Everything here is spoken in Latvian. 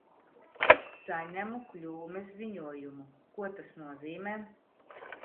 Saņemu kļūmes ziņojumu. Ko tas nozīmē?